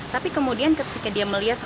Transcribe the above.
tapi kemudian ketika dia melihat